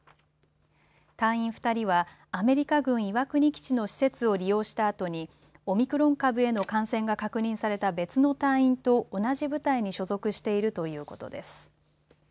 隊員２人は、アメリカ軍岩国基地の施設を利用したあとにオミクロン株への感染が確認された別の隊員と同じ部隊に所属しているということです。